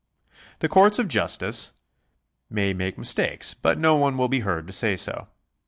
The courts of justice may make mistakes, but no one will be heard to say so.